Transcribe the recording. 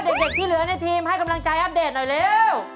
เด็กที่เหลือในทีมให้กำลังใจอัปเดตหน่อยเร็ว